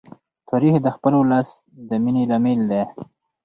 تاریخ د خپل ولس د مینې لامل دی.